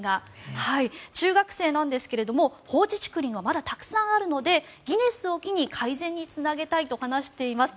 中学生なんですが放置竹林はまだたくさんあるのでギネスを機に改善につなげたいと話しています。